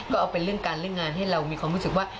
ก็เอาเป็นเรื่องการเรื่องงานให้เรามีความรู้สึกว่า